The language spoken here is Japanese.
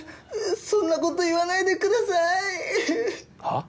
そんなこと言わないでくださいはあ？